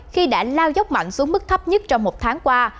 khi đã lao dốc mặn xuống mức thấp nhất trong một tháng qua